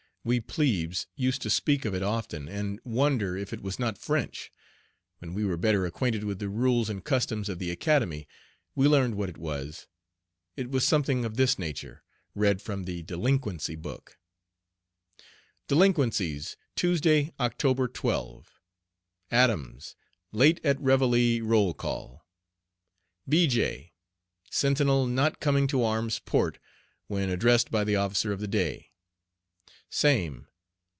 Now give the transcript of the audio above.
We "plebes" used to speak of it often, and wonder if it was not French. When we were better acquainted with the rules and customs of the Academy we learned what it was. It was something of this nature, read from the "Delinquency Book:" DELINQUENCIES, TUESDAY, OCT. 12. ADAMS. Late at reveille roll call. BEJAY. Sentinel not coming to "Arms, Port," when addressed by the officer of the day. SAME.